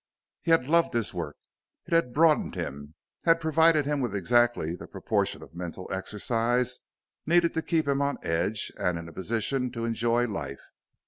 He had loved his work; it had broadened him, had provided him with exactly the proportion of mental exercise needed to keep him on edge and in a position to enjoy life.